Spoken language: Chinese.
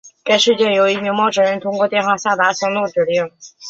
该事件由一名陌生人通过电话下达行动指令。